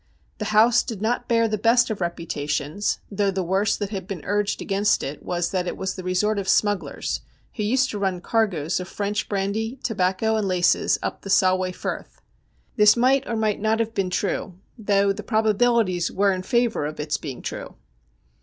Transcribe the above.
The house did not bear the best of reputations, though the worst that had been urged against it was that it was the resort of smugglers, who used to run cargoes of French brandy, tobacco, and laces, up the Solway Firth. This might or might not have been true, though the probabilities were in favour of its being true.